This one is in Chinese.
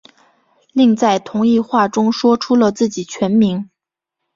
另在同一话中说出了自己全名。